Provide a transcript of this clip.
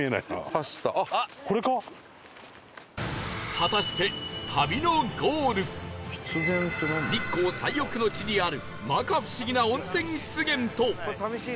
果たして日光最奥の地にある摩訶不思議な温泉湿原と